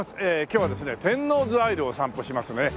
今日はですね天王洲アイルを散歩しますね。